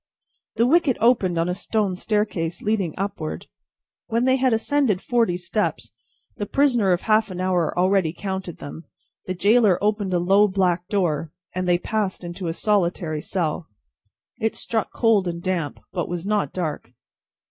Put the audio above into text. The wicket opened on a stone staircase, leading upward. When they had ascended forty steps (the prisoner of half an hour already counted them), the gaoler opened a low black door, and they passed into a solitary cell. It struck cold and damp, but was not dark.